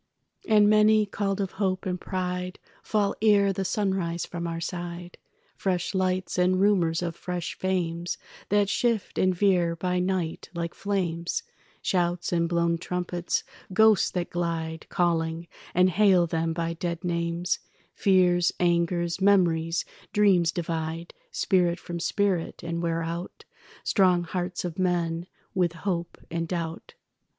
And many, called of hope and pride, Fall ere the sunrise from our side. Fresh lights and rumours of fresh fames That shift and veer by night like flames, Shouts and blown trumpets, ghosts that glide Calling, and hail them by dead names, Fears, angers, memories, dreams divide Spirit from spirit, and wear out Strong hearts of men with hope and doubt.